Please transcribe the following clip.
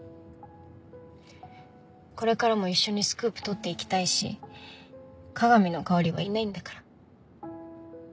これからも一緒にスクープ取っていきたいし加賀美の代わりはいないんだから。